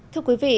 thưa quý vị